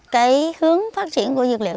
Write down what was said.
cái hướng phát triển của dược liệu